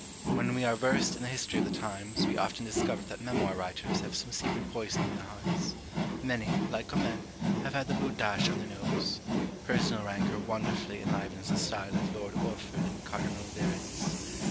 When we are versed in the history of the times, we often discover that memoir writers have some secret poison in their hearts. Many, like Comines, have had the boot dashed on their nose. Personal rancour wonderfully enlivens the style of Lord Orford and Cardinal de Retz.